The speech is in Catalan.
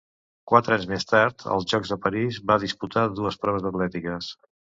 Quatre anys més tard, als Jocs de París, va disputar dues proves atlètiques.